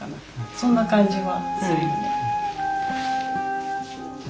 そんな感じはするよね。